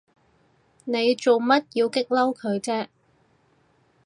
你做乜要激嬲佢啫？